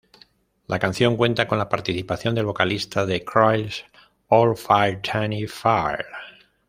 La canción cuenta con la participación del vocalista de Cradle of Filth Dani Filth.